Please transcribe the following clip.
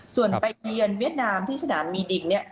ส่วนไปเยือนเวียดนามที่สนามมีดิ่งเนี่ย